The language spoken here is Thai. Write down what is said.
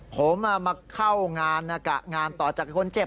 ผมมาเข้างานงานต่อจากคนเจ็บ